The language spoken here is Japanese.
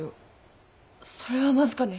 それはまずかね。